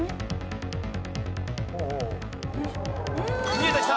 見えてきた！